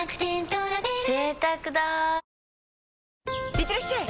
いってらっしゃい！